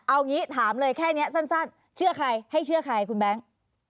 เอางี้ถามเลยแค่นี้ซั่นให้เชื่อใครคุณแบ๊ง